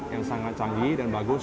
yang sangat canggih dan bagus